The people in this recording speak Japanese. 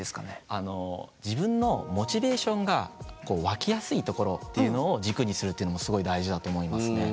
あの自分のモチベーションがこう湧きやすいところっていうのを軸にするっていうのもすごい大事だと思いますね。